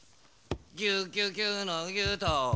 ギュギュギュのギュと。